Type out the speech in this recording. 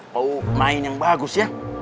mau main yang bagus ya